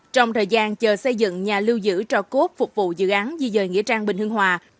trong thời gian chờ xây dựng nhà lưu giữ cho cốt phục vụ dự án di dời nghĩa trang bình hưng hòa